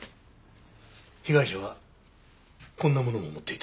被害者はこんなものも持っていた。